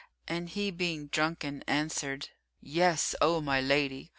And he being drunken, answered, "Yes, O my lady."